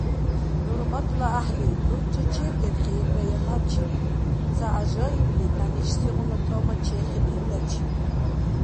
– ХӀурматла гӀяхӀли, гӀурра чердерхирая набчирад, – ца гӀяжаибли тянишсигъуна тӀама чехиб илдачи.